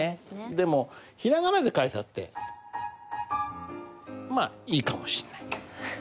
でもひらがなで書いたってまあいいかもしんないけど。